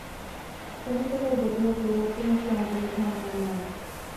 কোন প্রকার গতি বা পরিবর্তন আছে, আমাদের এই ধারণাই মায়া।